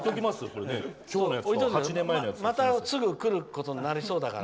またすぐ来ることになりそうだから。